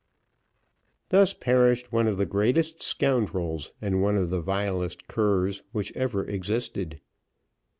Thus perished one of the greatest scoundrels, and one of the vilest curs, which ever existed.